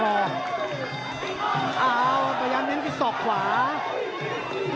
เอาวประยาณเหน็นที่ส่อความิว